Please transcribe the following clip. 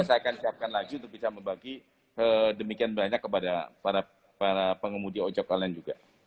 saya akan siapkan lagi untuk bisa membagi demikian banyak kepada para pengemudi ojek online juga